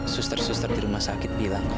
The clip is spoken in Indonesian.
suster suster di rumah sakit bilang